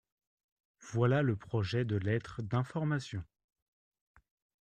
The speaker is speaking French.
Voilà le projet de lettre d’information.